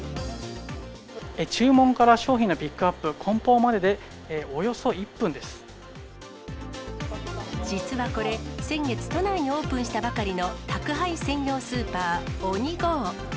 注文から商品のピックアップ、実はこれ、先月都内にオープンしたばかりの宅配専用スーパー、オニゴー。